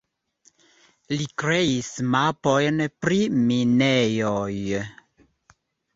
Li kreis mapojn pri minejoj.